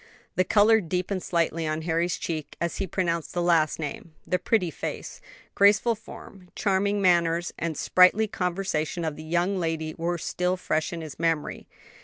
The color deepened slightly on Harry's cheek as he pronounced the last name. The pretty face, graceful form, charming manners, and sprightly conversation of the young lady were still fresh in his memory.